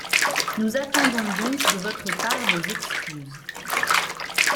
Nous attendons donc de votre part des excuses.